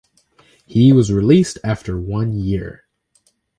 He was released after one year.